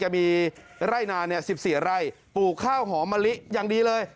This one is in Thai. มีไร่นา๑๔ไร่ปลูกข้าวหอมมะลิอย่างดีเลย